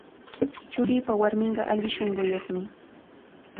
Churiipa warminqa alli shunquyuqmi.